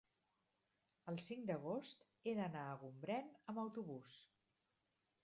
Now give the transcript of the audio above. el cinc d'agost he d'anar a Gombrèn amb autobús.